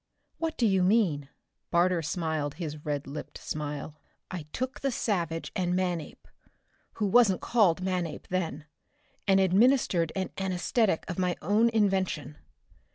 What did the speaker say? "What do you mean?" Barter smiled his red lipped smile. "I took the savage and Manape, who wasn't called Manape then, and administered an anesthetic of my own invention.